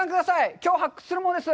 きょう発掘するものです。